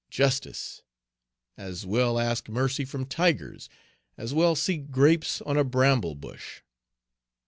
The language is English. "Justice!" As well ask mercy from tigers; as well seek grapes on a bramble bush.